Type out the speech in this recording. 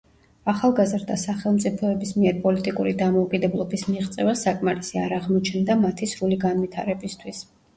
ახალგაზრდა სახელმწიფოების მიერ პოლიტიკური დამოუკიდებლობის მიღწევა საკმარისი არ აღმოჩნდა მათი სრული განვითარებისთვის.